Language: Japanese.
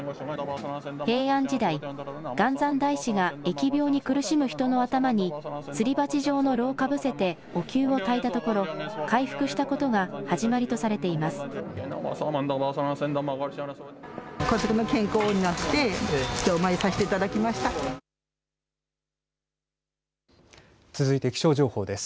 平安時代、元三大師が疫病に苦しむ人の頭にすり鉢状の炉をかぶせておきゅうをたいたところ回復したことが始まりとされています。